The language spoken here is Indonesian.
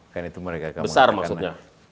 karena itu mereka akan mengatakan